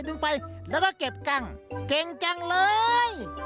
แล้วก็เก็บกล้างเก่งจังเลย